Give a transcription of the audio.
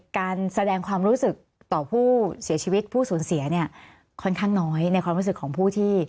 การแสดงความรู้สึกต่อผู้เสียชีวิตผู้สูญเสียเนี่ยค่อนข้างน้อยในความรู้สึกของผู้ที่